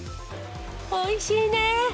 おいしいね。